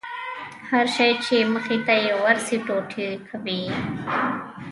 هر شى چې مخې ته يې ورسي ټوټې ټوټې کوي يې.